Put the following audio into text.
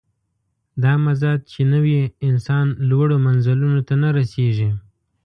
دا مزاج چې نه وي، انسان لوړو منزلونو ته نه رسېږي.